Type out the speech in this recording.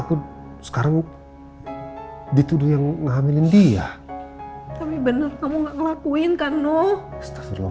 aku sekarang dituduh yang ngehamilin dia tapi bener kamu nggak ngelakuin kan nuh astagfirullah